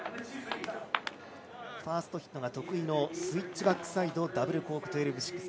ファーストヒットが得意のスイッチバックサイドダブルコーク１２６０。